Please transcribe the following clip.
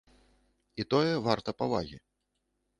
І тое варта павагі.